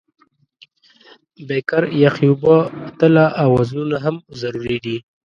بیکر، یخې اوبه، تله او وزنونه هم ضروري دي.